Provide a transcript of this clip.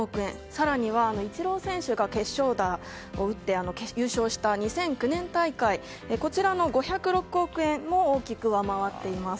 更には、イチロー選手が決勝打を打って優勝した２００９年大会の５０６億円を大きく上回っています。